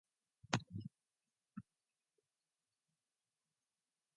The figures are all of the same size and anatomically correct.